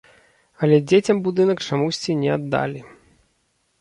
Але дзецям будынак чамусьці не аддалі.